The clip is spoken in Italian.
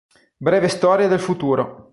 Breve storia del futuro".